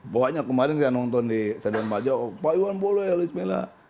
pokoknya kemarin saya nonton di sandiang majo pak iwan boleh ya luiz mila